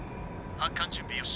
発艦準備よし。